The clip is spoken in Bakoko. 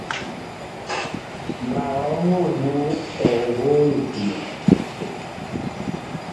Mag ɔŋɔɔ nɛ ɔg voo litiman.